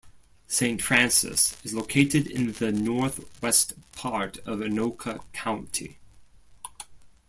Saint Francis is located in the northwest part of Anoka County.